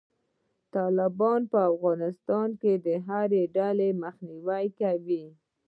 طالبان به په افغانستان کې د هري ډلې مخنیوی کوي.